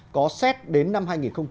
có xét đến năm hai nghìn hai mươi năm